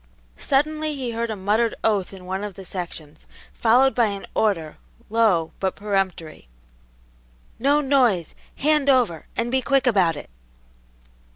Suddenly he heard a muttered oath in one of the sections, followed by an order, low, but peremptory, "No noise! Hand over, and be quick about it!"